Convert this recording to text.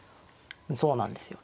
そうなんですよ。